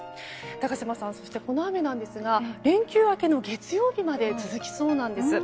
高島さん、この雨なんですが連休明けの月曜日まで続きそうなんです。